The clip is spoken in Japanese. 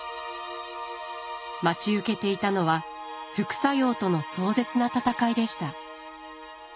待ち受けていたのは副作用との壮絶な闘いでした。